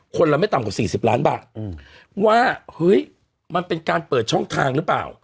คนละไม่ต่ำกว่า๔๐ล้านบาทว่าเฮ้ยมันเป็นการเปิดช่องทางหรือเปล่า